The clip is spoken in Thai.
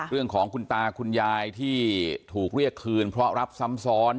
เรื่องของคุณตาคุณยายที่ถูกเรียกคืนเพราะรับซ้ำซ้อน